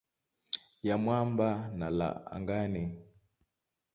ya mwamba na lava angani.